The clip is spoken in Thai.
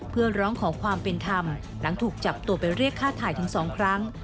เพื่อร้องขอความเป็นธรรมหลังถูกจับตัวไปเรียกค่าถ่ายถึง๒ครั้ง